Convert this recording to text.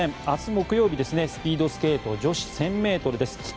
明日木曜日、スピードスケート女子１０００ｍです。